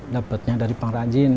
dapatnya dari pengrajin